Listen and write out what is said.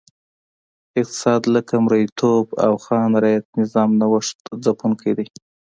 اقتصاد لکه مریتوب او خان رعیت نظام نوښت ځپونکی دی.